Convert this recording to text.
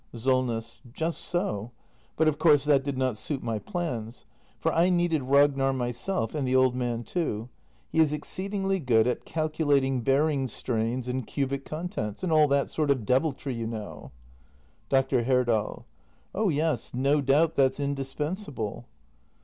SOLNESS. Just so. But of course that did not suit my plans; for I needed Ragnar myself — and the old man too. He is exceedingly good at calculating bearing strains and cubic contents — and all that sort of deviltry, you know. Dr. Herdal. Oh yes, no doubt that's indispensable.